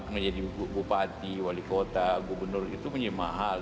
menjadi bupati wali kota gubernur itu menjadi mahal